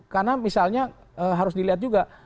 karena misalnya harus dilihat juga